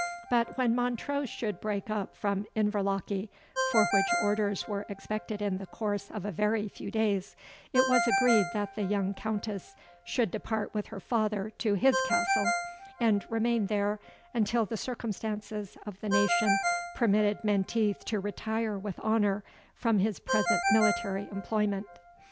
But when Montrose should break up from Inverlochy, for which orders were expected in the course of a very few days, it was agreed that the young Countess should depart with her father to his Castle, and remain there until the circumstances of the nation permitted Menteith to retire with honour from his present military employment.